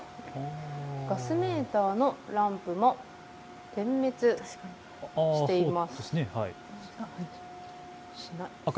ガスメーターのランプも点滅しています。